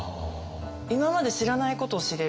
今まで知らないことを知れる。